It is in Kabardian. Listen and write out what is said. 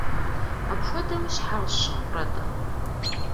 Апхуэдэу щхьэ къысщыхъурэ-тӏэ?